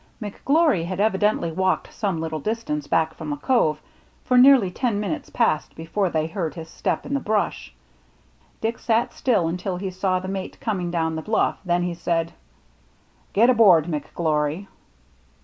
McGlory had evidently walked some little 130 THE MERRT ANNE distance back from the Cove, for nearly ten minutes passed before they heard his step in the brush. Dick sat still until he saw the mate coming down the bluff, then he said, " Get aboard, McGlory."